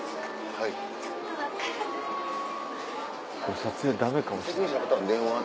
撮影ダメかもしれない。